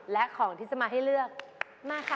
และของที่จะมาให้เลือกมาค่ะ